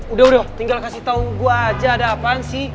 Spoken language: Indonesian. udah udah tinggal kasih tahu gue aja ada apaan sih